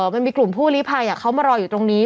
มันมีกลุ่มผู้ลิภัยเขามารออยู่ตรงนี้